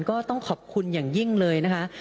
ก็ต้องขอบคุณอย่างยิ่งเลยนะคะ